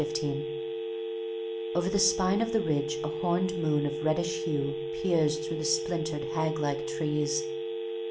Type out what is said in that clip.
Over the spine of the ridge a horned moon of reddish hue peers through the splintered, hag like trees.